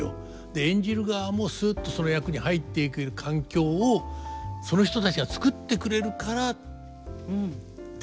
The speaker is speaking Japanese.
演じる側もすっとその役に入っていける環境をその人たちが作ってくれるからできるんですよね。